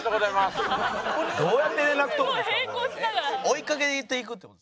追いかけていくって事？